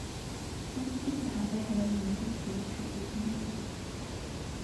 高斯金字塔背后的理论基础为尺度空间理论。